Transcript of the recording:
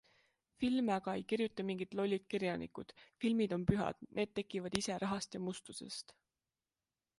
Filme aga ei kirjuta mingid lollid kirjanikud, filmid on pühad, need tekivad ise rahast ja mustusest.